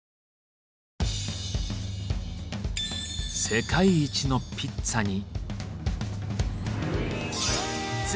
世界一のピッツァに。